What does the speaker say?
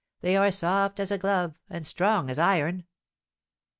They are soft as a glove, and strong as iron."